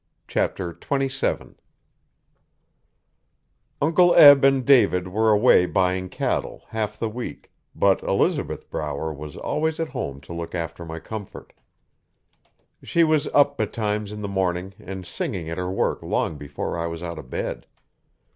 Chapter 27 Uncle Eb and David were away buying cattle, half the week, but Elizabeth Brower was always at home to look after my comfort. She was up betimes in the morning and singing at her work long before I was out of bed.